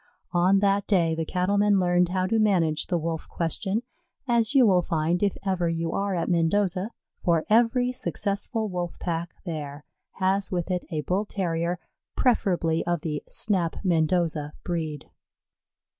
On that day the Cattlemen learned how to manage the Wolf question, as you will find if ever you are at Mendoza; for every successful Wolf pack there has with it a Bull terrier, preferably of the Snap Mendoza breed.